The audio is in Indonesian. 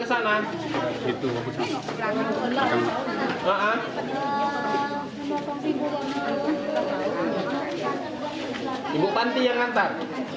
ibu panti yang nantar